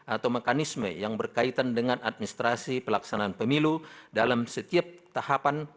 atau mekanisme yang berkaitan dengan administrasi pelaksanaan pemilih